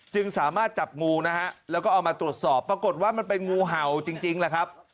จึงสามารถจับงูนะฮะแล้วก็เอามาตรวจสอบปรากฏว่ามันเป็นงูเห่าจริงแหละครับ